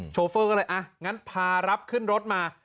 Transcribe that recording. โชเฟอร์ก็เลยงั้นพารับขึ้นรถมา